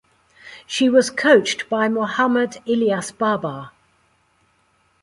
She was coached by Mohammad Ilyas Babar.